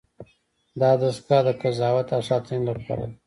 دا دستگاه د قضاوت او ساتنې لپاره ده.